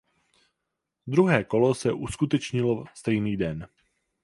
Druhé kolo se uskutečnilo stejný den.